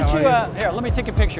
oke terima kasih